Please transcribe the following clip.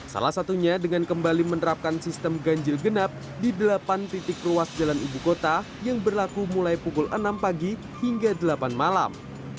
salah satunya dengan kembali menerapkan sistem ganjil genap di delapan titik ruas jalan ibu kota yang berlaku mulai pukul enam pagi hingga delapan malam